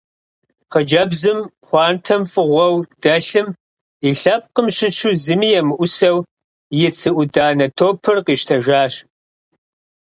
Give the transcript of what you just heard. Хъыджэбзым пхъуантэм фӀыгъуэу дэлъым и лъэпкъым щыщу зыми емыӀусэу и цы Ӏуданэ топыр къищтэжащ.